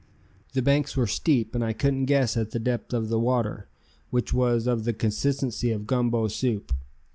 The banks were steep and I couldn't guess at the depth of the water, which was of the consistency of gumbo soup.